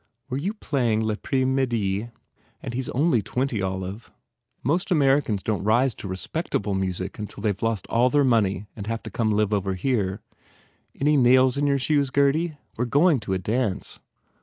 "Were you playing L Apres Midi? And he s only twenty, Olive ! Most Americans don t rise to respectable music until they ve lost all their money and have to come and live over here. Any nails in your shoes, Gurdy? We re going to a dance."